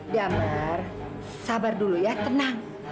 damar sabar dulu ya tenang